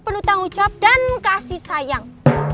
penuh tanggung jawab dan kasih sayang